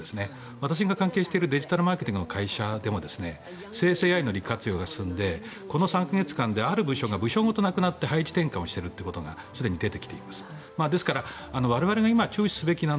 私が関係しているデジタルマーケティングの会社でも生成ＡＩの利活用が進んでこの３か月間である部署が部署ごとなくなって配置転換ということがありました。